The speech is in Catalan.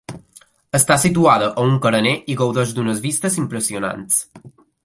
Està situada a un carener, i gaudeix d'unes vistes impressionants.